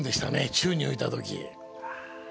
宙に浮いた時。